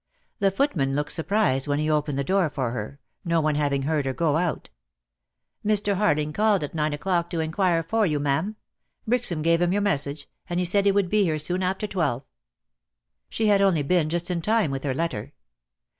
The footman looked surprised when he opened the door for her, no one having heard her go out. • "Mr. Harling called at nine o'clock to inquire for you, ma'am. Brixham gave him your message, and he said he would be here soon after twelve." She had only been just in time with her letter.